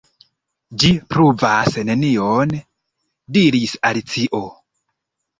"Ĝi pruvas nenion," diris Alicio.